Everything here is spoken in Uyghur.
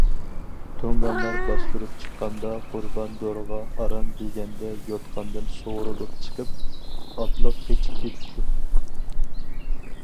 تۇڭگانلار باستۇرۇپ چىققاندا قۇربان دورغا ئاران دېگەندە يوتقاندىن سۇغۇرۇلۇپ چىقىپ، ئاتلىق قېچىپ كېتىپتۇ.